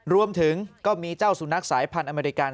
รวมถึงก็มีเจ้าสุนัขสายพันธ์อเมริกา